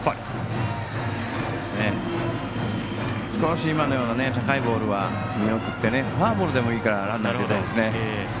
少し今のような高いボールは見送ってフォアボールでもいいからランナー、出たいですね。